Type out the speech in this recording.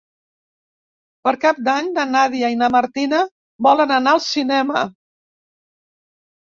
Per Cap d'Any na Nàdia i na Martina volen anar al cinema.